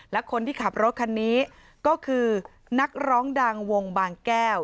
และคนที่ขับรถคันนี้ก็คือนักร้องดังวงบางแก้ว